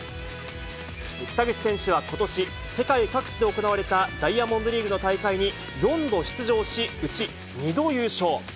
北口選手はことし、世界各地で行われたダイヤモンドリーグの大会に４度出場し、うち２度優勝。